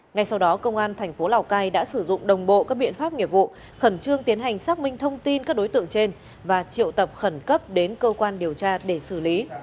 ngay sau đó công an thành phố lào cai đã sử dụng đồng bộ các biện pháp nghiệp vụ khẩn trương tiến hành xác minh thông tin các đối tượng trên và triệu tập khẩn cấp đến cơ quan điều tra để xử lý